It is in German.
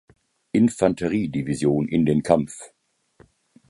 Infanteriedivision in den Kampf.